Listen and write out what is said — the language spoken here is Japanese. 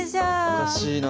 おかしいな。